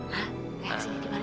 hah reaksinya gimana